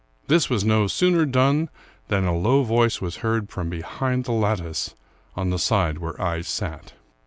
This was no sooner done, than a low voice was heard from behind the lattice, on the side where I sat.